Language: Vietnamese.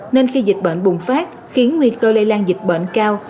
nên khi dịch bệnh bùng phát khiến nguy cơ lây lan dịch bệnh cao